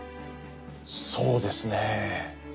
そうですね。